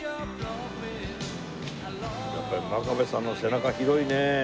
やっぱり真壁さんの背中広いね。